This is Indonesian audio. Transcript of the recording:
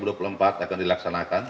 karena pemerintah telah melaksanakan